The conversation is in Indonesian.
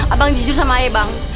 abang jujur sama ayah bang